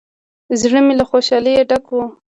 زړه مې له خوشالۍ ډک و.